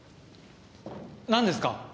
何ですか？